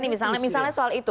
misalnya soal itu